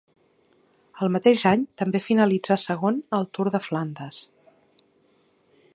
El mateix any també finalitzà segon al Tour de Flandes.